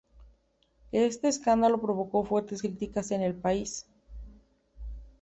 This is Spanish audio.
Este escándalo provocó fuertes críticas en el país.